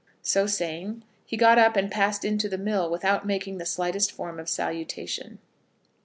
So saying, he got up and passed into the mill without making the slightest form of salutation.